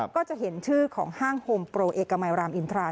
ก็จะเห็นชื่อของห้างโฮมโปรเอกมัยรามอินทรา